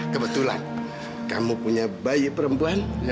kebetulan kamu punya bayi perempuan